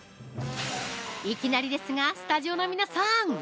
いきなりですがスタジオの皆さん